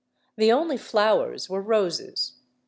The only flowers were roses.